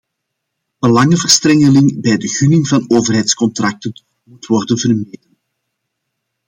Belangenverstrengeling bij de gunning van overheidscontracten moet worden vermeden.